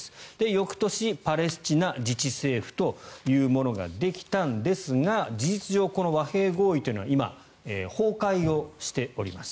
翌年、パレスチナ自治政府というものができたんですが事実上、この和平合意というのは今、崩壊しております。